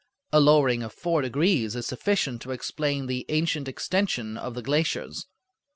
A lowering of four degrees is sufficient to explain the ancient extension of the glaciers.